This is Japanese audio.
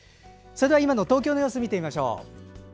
それでは今の東京の様子を見てみましょう。